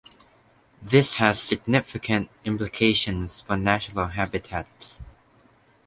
This has significant implications for natural habitats.